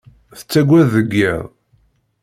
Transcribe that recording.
Tettagad deg yiḍ.